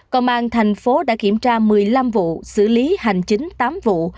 còn bàn thành phố đã kiểm tra một mươi năm vụ xử lý hành chính tám vụ